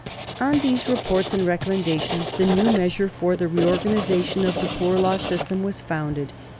On these reports and recommendations the new measure for the reorganization of the poor law system was founded.